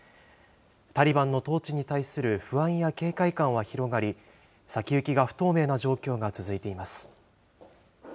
タリバンの統治に対する不安や警戒感は広がり、先行きが不透明な状況が続いています。